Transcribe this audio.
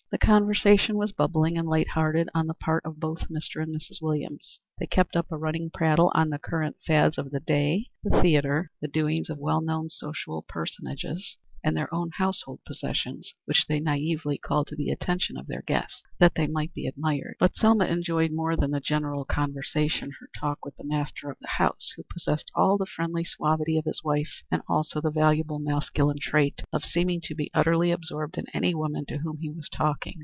The conversation was bubbling and light hearted on the part of both Mr. and Mrs. Williams. They kept up a running prattle on the current fads of the day, the theatre, the doings of well known social personages, and their own household possessions, which they naïvely called to the attention of their guests, that they might be admired. But Selma enjoyed more than the general conversation her talk with the master of the house, who possessed all the friendly suavity of his wife and also the valuable masculine trait of seeming to be utterly absorbed in any woman to whom he was talking.